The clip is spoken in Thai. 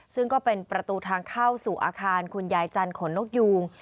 ซึ่งก็เป็นประตูทางเข้าสู่อาคารคุณยายจันทนนกยูง